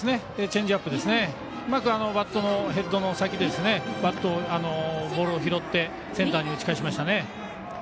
チェンジアップうまくバットのヘッドの先バット、ボールを拾ってセンターに打ち返しましたね。